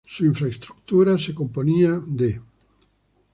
Su infraestructura se componía de